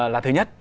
là thứ nhất